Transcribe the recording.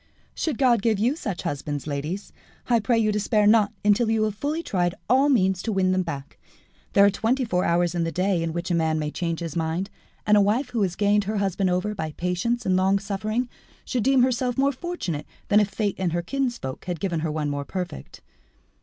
"Should God give you such husbands, ladies, I pray you despair not until you have fully tried all means to win them back. There are twenty four hours in the day in which a man may change his mind, and a wife who has gained her husband over by patience and longsuffering should deem herself more fortunate than if fate and her kinsfolk had given her one more perfect."